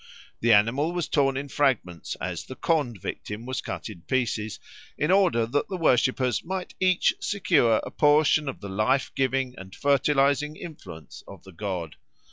The animal was torn in fragments, as the Khond victim was cut in pieces, in order that the worshippers might each secure a portion of the life giving and fertilising influence of the god.